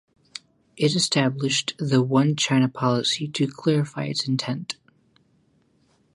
It established the One-China policy to clarify its intent.